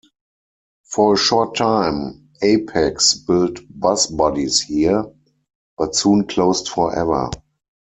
For a short time, Apex built bus bodies here, but soon closed forever.